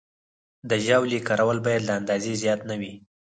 د ژاولې کارول باید له اندازې زیات نه وي.